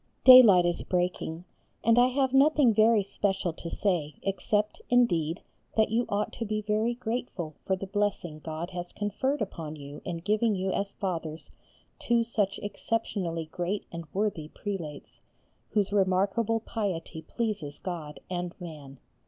Daylight is breaking, and I have nothing very special to say except, indeed, that you ought to be very grateful for the blessing God has conferred upon you in giving you as fathers two such exceptionally great and worthy prelates, whose remarkable piety pleases God and man.